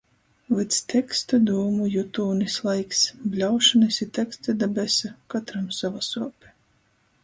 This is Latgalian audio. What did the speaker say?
Vyds tekstu, dūmu, jutūnis laiks. Bļaušonys i tekstu da besa, kotram sova suope.